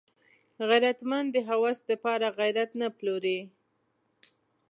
غیرتمند د هوس د پاره غیرت نه پلوري